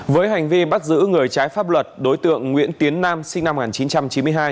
với hành vi bắt giữ người trái pháp luật đối tượng nguyễn tiến nam sinh năm một nghìn chín trăm chín mươi hai